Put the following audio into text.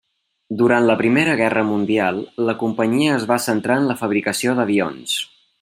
Durant la Primera Guerra Mundial la companyia es va centrar en la fabricació d'avions.